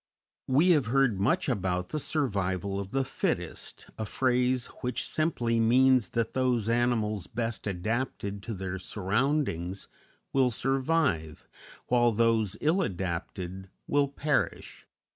We have heard much about "the survival of the fittest," a phrase which simply means that those animals best adapted to their surroundings will survive, while those ill adapted will perish.